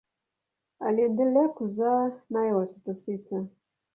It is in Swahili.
Aliendelea kuzaa naye watoto sita.